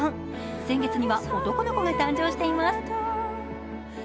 先月には男の子が誕生しています。